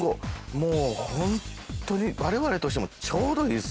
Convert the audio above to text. もうホントにわれわれとしてもちょうどいいです。